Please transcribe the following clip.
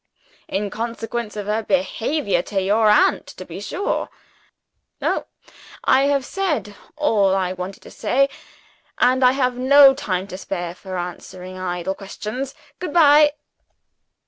"In consequence of her behavior to your aunt, to be sure! No: I have said all I wanted to say and I have no time to spare for answering idle questions. Good by."